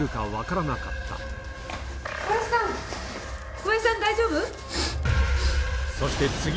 小林さん大丈夫？